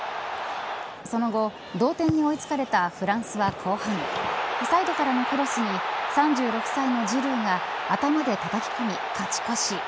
その後、同点に追いつかれたフランスは後半サイドからのクロスに３６歳のジルーが頭でたたき込み勝ち越し。